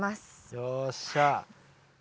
よっしゃ。